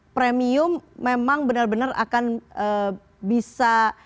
premium memang benar benar akan bisa